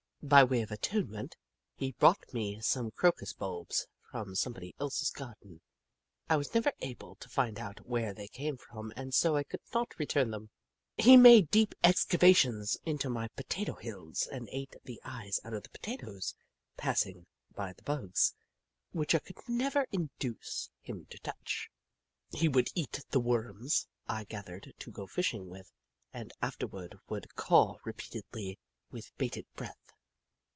By way of atonement, he brought me some crocus bulbs from somebody's else gar den. I was never able to find out where they came from and so I could not return them. He made deep excavations into my potato hills and ate the eyes out of the potatoes, pass ing by the Bugs, which I could never induce Jim Crow 113 him to touch. He would eat the Worms I gathered to go fishing with, and afterward would caw repeatedly, with bated breath.